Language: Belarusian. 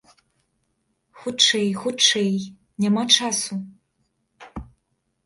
Хутчэй, хутчэй, няма часу!